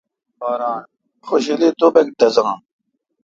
خوشیلی توبک ڈزان۔